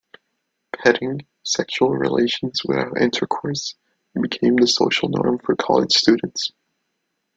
"Petting", sexual relations without intercourse, became the social norm for college students.